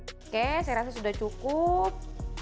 oke saya rasa sudah cukup